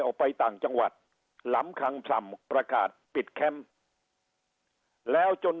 ออกไปต่างจังหวัดหลำคังพร่ำประกาศปิดแคมป์แล้วจน